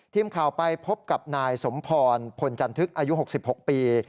ทีมข่าวไปพบกับนายสมพรพลจันทึกอายุ๖๖ปี